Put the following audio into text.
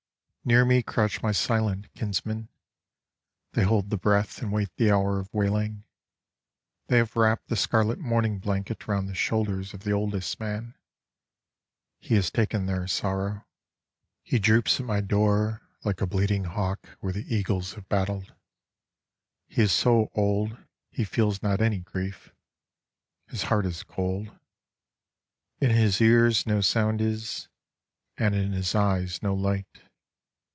Near me crouch my silent kinsmen, They hold the breath and wait the hour of wailing; They have wrapped the scarlet mourning blanketRound the shoulders of the oldest man; He has taken their sorrow. He droops at my doorLike a bleeding hawk where the eagles have battled. He is so old he feels not any grief, His heart is cold, In his ears no sound is, And in his eyes no light.